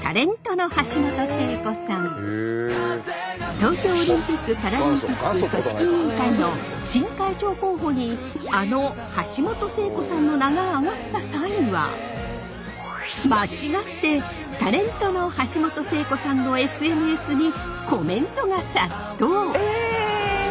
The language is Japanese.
東京オリンピック・パラリンピック組織委員会の新会長候補にあの橋本聖子さんの名が挙がった際は間違ってタレントの橋本聖子さんのＳＮＳにコメントが殺到！